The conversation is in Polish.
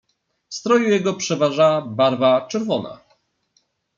"W stroju jego przeważa barwa czerwona."